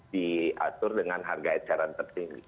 diatur dengan harga eceran tertinggi